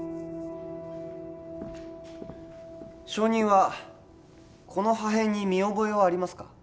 証人はこの破片に見覚えはありますか？